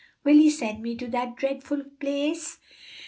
will He send me to that dreadful place?"